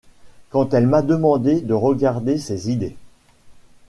Quand elle m'a demandé de regarder ses idées.